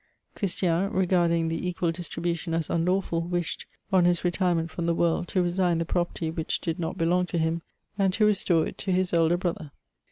Christian, regarding the equal distri bution as unlaw^l, wished, on his retirement from the world, to resign the property which did not belong to him, and to restore it to his elder brother.